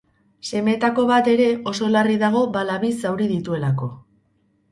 Semeetako bat ere oso larri dago bala bi zauri dituelako.